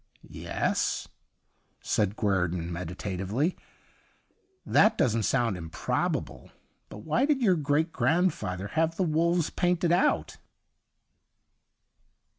' Yes/ said Guei'don meditatively, ' that doesn't sound improbable. But why did your great grandfather have the wolves painted out